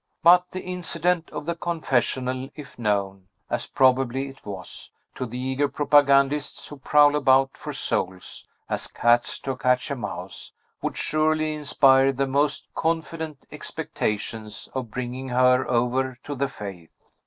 But the incident of the confessional if known, as probably it was, to the eager propagandists who prowl about for souls, as cats to catch a mouse would surely inspire the most confident expectations of bringing her over to the faith.